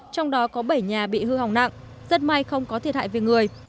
trong đó có bảy nhà bị hư hỏng nặng rất may không có thiệt hại về người